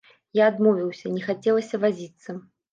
Я адмовіўся, не хацелася вазіцца.